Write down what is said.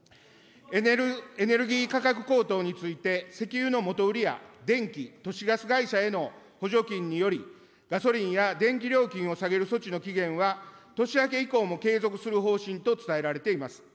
エネルギー価格高騰について、石油の元売りや電気・都市ガス会社への補助金によりガソリンや電気料金を下げる措置の期限は、年明け以降も継続する方針と伝えられています。